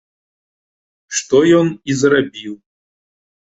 Што ён і зрабіў.